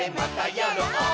やろう！